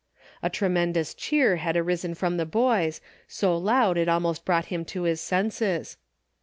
A tremendous cheer had arisen from the boys, so loud it almost brought him to his senses.